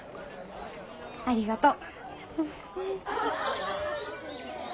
ありがとう。